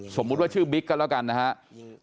สมมุติว่าชื่อบิ๊กก็แล้วกันนะครับ